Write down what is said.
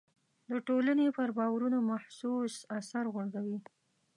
د ټولنې پر باورونو محسوس اثر غورځوي.